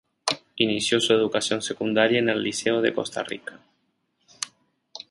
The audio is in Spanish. Inició su educación secundaria en el Liceo de Costa Rica.